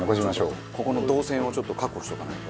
ここの動線をちょっと確保しとかないと。